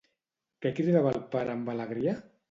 Què cridava el pare amb alegria?